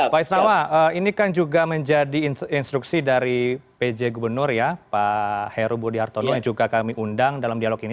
pak isnawa ini kan juga menjadi instruksi dari pj gubernur ya pak heru budi hartono yang juga kami undang dalam dialog ini